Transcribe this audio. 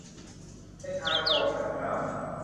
ในทางตรงกันข้าม